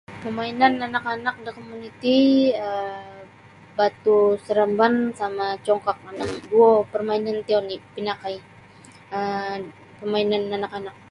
Pemainan anak-anak da komuniti um batu seremban sama congkak anak kuo permainan iti oni pinakai um pemainan anak-anak.